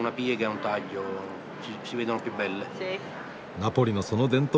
ナポリのその伝統